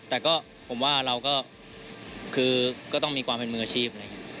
แต่ก็ผมว่าเราก็คือก็ต้องมีความเป็นมืออาชีพ